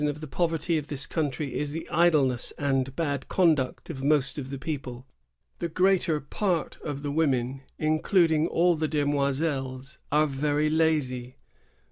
183 poverty of this country is the idleness and bad con duct of most of the people. The greater part of the women, including all the demoiselles^ are very lazy."